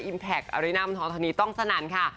อิมแพคอาริน่ามันท้องทนนี้ต้องสนันค่ะ